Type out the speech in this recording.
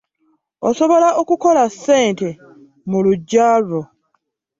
Osobola okukola ssente mu luggya lwo.